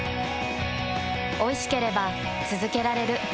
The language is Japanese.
おいしければつづけられる。